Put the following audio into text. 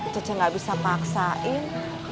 cece gak bisa paksain